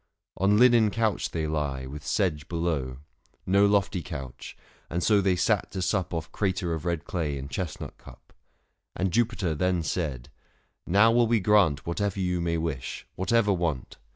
On linen couch they lie, with sedge below — No lofty couch : and so they sat to sup Off crater of red clay and chestnut cup. And Jupiter then said, "Xow will we grant 590 Whatever you may wish, whatever want."